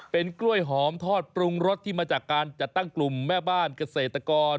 เป็นกล้วยหอมทอดปรุงรสที่มาจากการจัดตั้งกลุ่มแม่บ้านเกษตรกร